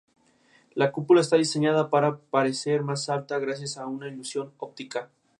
El cuarto tiene dos vanos en cada cara y el quinto, tres.